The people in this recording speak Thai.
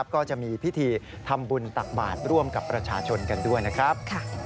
ก็จะมีพิธีทำบุญตักบาทร่วมกับประชาชนกันด้วยนะครับ